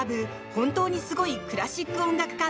本当にすごいクラシック音楽家